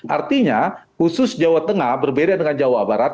artinya khusus jawa tengah berbeda dengan jawa barat